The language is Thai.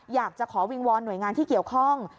อยากจะขอวิงวอนหน่วยงานที่เกี่ยวข้อง